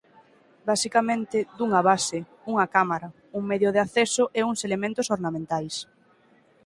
basicamente, dunha base, unha cámara, un medio de acceso e uns elementos ornamentais.